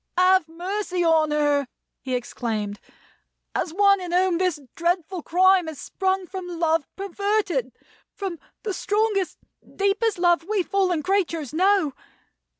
"Have mercy on her!" he exclaimed, "as one in whom this dreadful crime has sprung from Love perverted; from the strongest, deepest Love we fallen creatures know!